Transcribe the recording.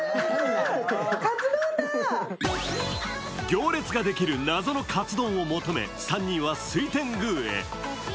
行列ができる謎のカツ丼を求め３人は水天宮へ。